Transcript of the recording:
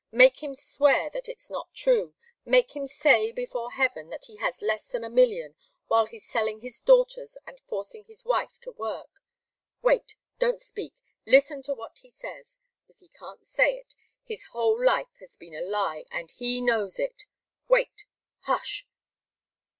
Make him swear that it's not true make him say, before heaven, that he has less than a million, while he's selling his daughters and forcing his wife to work. Wait don't speak listen to what he says! If he can't say it, his whole life has been a lie, and he knows it wait hush!"